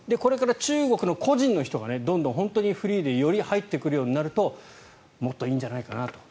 中国のお客さんもどんどん本当にフリーでより入ってくるようになるともっといいんじゃないかなと。